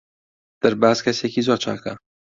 دەرباز کەسێکی زۆر چاکە.